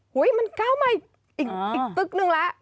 เฮ้ยมันก้าวมาอีกตึ๊กหนึ่งแล้ว